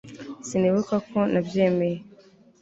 sinibuka ko nabyemeye